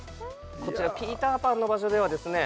こちらピーターパンの場所ではですね